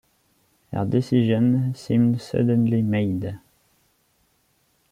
Her decision seemed suddenly made.